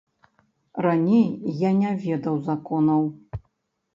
Раней я не ведаў законаў.